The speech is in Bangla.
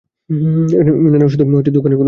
এনার শুধু আমাদের দোকানে সমস্যা কেনো?